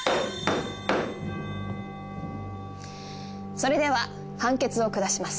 それでは判決を下します。